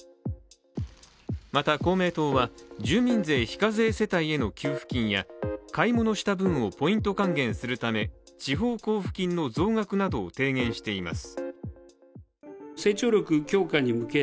また、公明党は住民税非課税世帯への給付金や買い物した分をポイント還元するため地方交付金の増額などを提言しています。